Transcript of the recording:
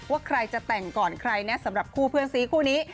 ว่าใครจะแต่งก่อนใครนะสำหรับคู่เพื่อนซีคู่นี้